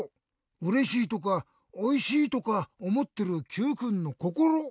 「うれしい」とか「おいしい」とかおもってるＱくんのこころ。